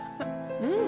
うん。